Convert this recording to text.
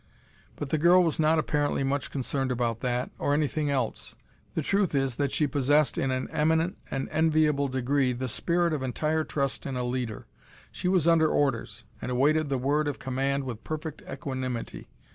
But the girl was not apparently much concerned about that, or anything else. The truth is that she possessed in an eminent and enviable degree the spirit of entire trust in a leader. She was under orders, and awaited the word of command with perfect equanimity!